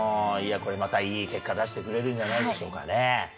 いやこれ、またいい結果出してくれるんじゃないでしょうかね。